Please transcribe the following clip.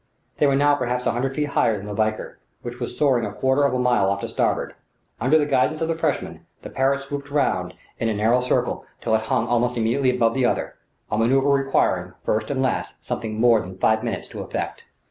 They were now perhaps a hundred feet higher than the Valkyr, which was soaring a quarter of a mile off to starboard. Under the guidance of the Frenchman, the Parrott swooped round in a narrow circle until it hung almost immediately above the other a manoeuvre requiring, first and last, something more than five minutes to effect.